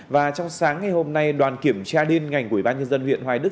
và trong sáng ngày hôm nay đoàn kiểm tra điên ngành quỹ ban nhân dân huyện hoài đức